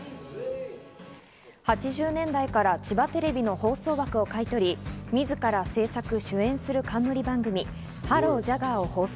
８０年代から千葉テレビの放送枠を買い取り、自ら制作・主演する冠番組『ＨＥＬＬＯＪＡＧＵＡＲ』を放送。